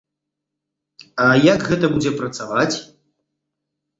А як гэта будзе працаваць?